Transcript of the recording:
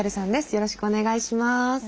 よろしくお願いします。